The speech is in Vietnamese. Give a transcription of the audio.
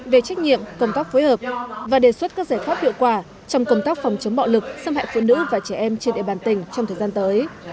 về trách nhiệm công tác phối hợp và đề xuất các giải pháp hiệu quả trong công tác phòng chống bạo lực xâm hại phụ nữ và trẻ em trên địa bàn tỉnh trong thời gian tới